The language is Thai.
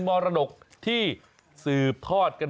มรดกที่สืบพอดมาจาก